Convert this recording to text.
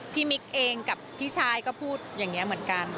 มิ๊กเองกับพี่ชายก็พูดอย่างนี้เหมือนกัน